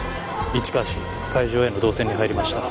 市川氏会場への動線に入りました。